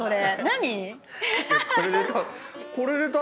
何？